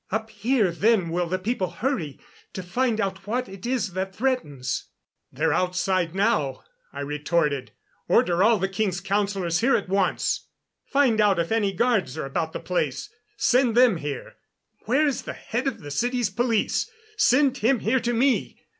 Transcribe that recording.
Up here then will the people hurry to find out what it is that threatens." "They're outside now," I retorted. "Order all the king's councilors here at once. Find out if any guards are about the place. Send them here. Where is the head of the city's police? Send him here to me!